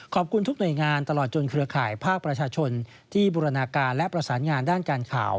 ขอบคุณทุกหน่วยงานตลอดจนเครือข่ายภาคประชาชนที่บูรณาการและประสานงานด้านการข่าว